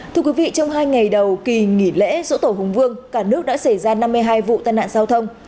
thưa quý vị trong hai ngày đầu kỳ nghỉ lễ dỗ tổ hùng vương cả nước đã xảy ra năm mươi hai vụ tai nạn giao thông